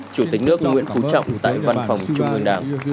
chủ tịch nước nguyễn phú trọng tại văn phòng trung ương đảng